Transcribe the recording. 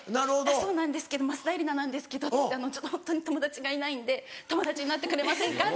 「そうなんですけど枡田絵理奈なんですけどホントに友達がいないんで友達になってくれませんか」